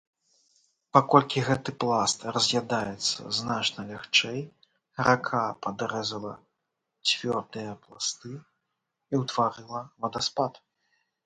Паколькі гэты пласт раз'ядаецца значна лягчэй, рака падрэзала цвёрдыя пласты і ўтварыла вадаспад.